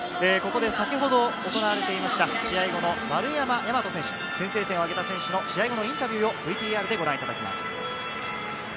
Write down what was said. ここで先ほど行われていました試合後の丸山大和選手、先制点を挙げた選手の試合後のインタビューをご覧いただきます。